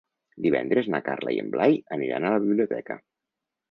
Divendres na Carla i en Blai aniran a la biblioteca.